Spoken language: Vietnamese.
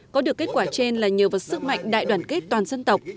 có được kết quả trên là nhờ vào sức mạnh đại đoàn kết toàn dân tộc